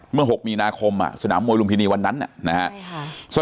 ๖มีนาคมสนามมวยลุมพินีวันนั้นนะครับ